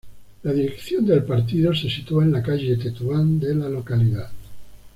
La dirección del partido se sitúa en la Calle Tetuán de la localidad.